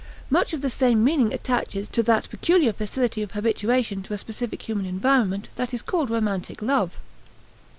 Much the same meaning attaches to that peculiar facility of habituation to a specific human environment that is called romantic love.